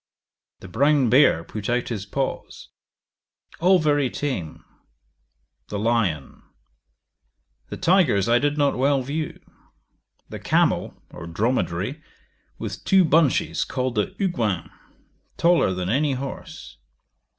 The brown bear put out his paws; all very tame. The lion. The tigers I did not well view. The camel, or dromedary with two bunches called the Huguin, taller than any horse.